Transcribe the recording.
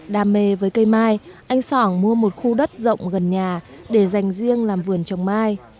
đam mê với cây mai anh sỏng mua một khu đất rộng gần nhà để dành riêng làm vườn trồng mai